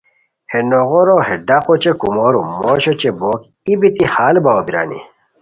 ہے نوغورا ہے ڈاق اوچے کومورو (موش اوچے بوک) ای بیتی ہال باؤ بیرانی